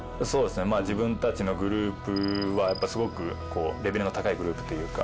自分たちのグループはすごくレベルの高いグループというか。